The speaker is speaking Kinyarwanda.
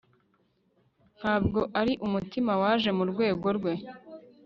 Ntabwo ari umutima waje mu rwego rwe